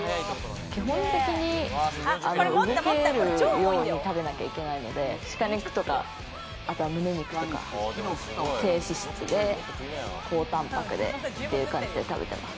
基本的に動けるように食べなきゃいけないので、鹿肉とか胸肉とか、低脂質で高たんぱくでという感じで食べてます。